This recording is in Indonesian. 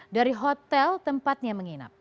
dari hotel tempatnya menginap